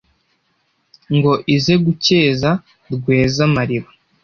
ngo ize gukeza rweza-mariba